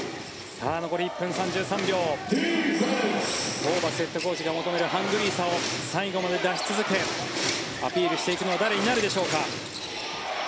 ホーバスヘッドコーチが求めるハングリーさを最後まで出し続けアピールしていくのは誰になるでしょうか。